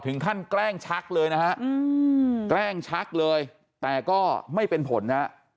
แกล้งชักเลยนะฮะแกล้งชักเลยแต่ก็ไม่เป็นผลนะฮะ